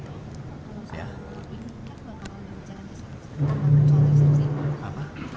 apakah menanggapkan jangkaan eksepsi